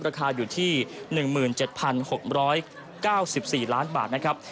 ราคาอยู่ที่๑๗๖๙๔ล้านบาทนะครับ